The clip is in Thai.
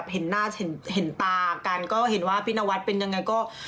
เห็นหน้าเห็นตากันก็เห็นว่าพี่นวัดเป็นยังไงก็